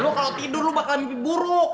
lo kalau tidur lo bakal mimpi buruk